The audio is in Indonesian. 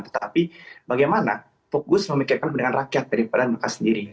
tetapi bagaimana fokus memikirkan kepentingan rakyat daripada mereka sendiri